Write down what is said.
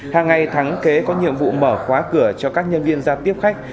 hàng ngày thắng kế có nhiệm vụ mở khóa cửa cho các nhân viên giao tiếp khách